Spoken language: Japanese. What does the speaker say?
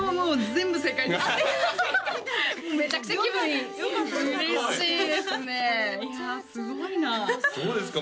全部正解なんだめちゃくちゃ気分いい嬉しいですねいやすごいなどうですか？